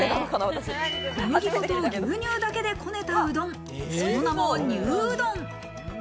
小麦粉と牛乳だけで、こねたうどん、その名も乳うどん。